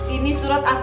ini surat asli apa enggak